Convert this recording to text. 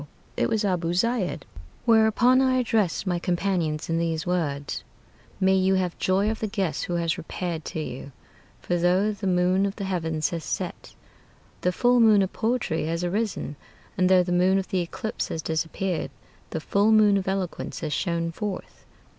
it was Abu Zeid; Whereupon I addressed my companions in these words: "May you have joy of the guest who has repaired to you: For though the moon of the heavens has set, The full moon of poetry has arisen; And though the moon of the eclipse has disappeared, The full moon of eloquence has shone forth."